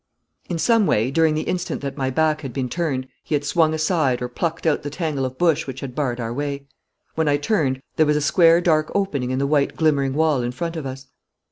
In some way during the instant that my back had been turned he had swung aside or plucked out the tangle of bush which had barred our way. When I turned there was a square dark opening in the white glimmering wall in front of us.